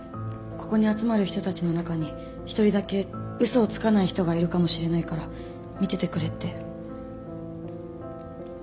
ここに集まる人たちの中に１人だけ嘘をつかない人がいるかもしれないから見ててくれって。